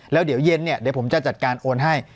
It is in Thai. แล้วเดี๋ยวเย็นเนี่ยเดี๋ยวผมจะจัดการโอนให้